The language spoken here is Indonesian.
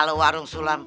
kalo warung sulam bangkrut